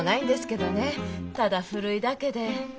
ただ古いだけで。